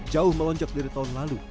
jauh melonjak dari tahun lalu